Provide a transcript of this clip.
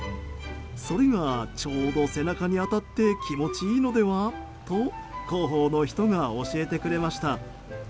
それが、ちょうど背中に当たって気持ちいいのではと広報の人が教えてくれました。